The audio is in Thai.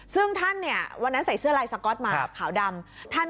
ซึ่งท่านวันนั้นใส่เสื้อไลน์สก๊อตส์มาขาวดำ